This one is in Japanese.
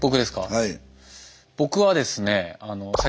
はい。